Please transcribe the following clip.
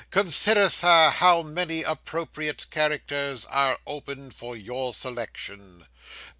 Consider, Sir, how many appropriate characters are open for your selection.